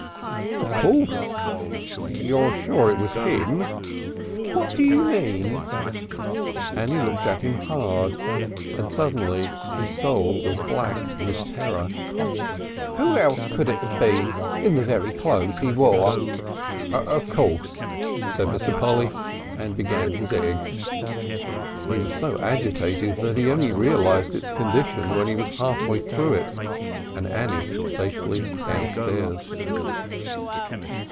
"Of course." "You're sure it was him?" "What you mean?" Annie looked at him hard, and suddenly his soul was black with terror. "Who else could it have been in the very cloes 'e wore?" "Of course," said Mr. Polly, and began his egg. He was so agitated that he only realised its condition when he was half way through it and Annie safely downstairs.